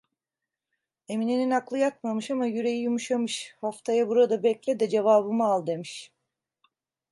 Emine'nin aklı yatmamış ama, yüreği yumuşamış: 'Haftaya burada bekle de cevabımı al!' demiş.